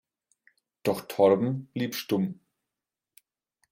Doch Torben blieb stumm.